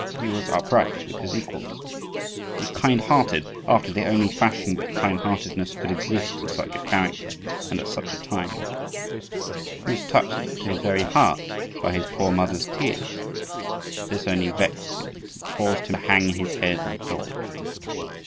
He was upright with his equals. He was kind hearted, after the only fashion that kind heartedness could exist in such a character and at such a time. He was touched to his very heart by his poor mother's tears; but this only vexed him, and caused him to hang his head in thought.